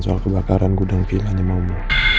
soal kebakaran gudang vilanya mamu